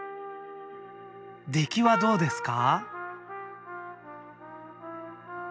出来はどうですか？